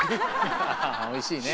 おいしいね。